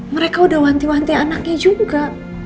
mereka udah wanti wanti anaknya juga